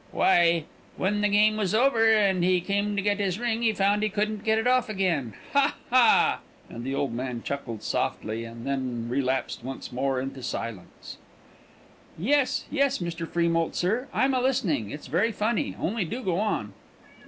"Why, when the game was over, and he came to get his ring, he found he couldn't get it off again. Ha! ha!" and the old man chuckled softly, and then relapsed once more into silence. "Yes, yes, Mr. Freemoult, sir! I'm a listening; it's very funny; only do go on!"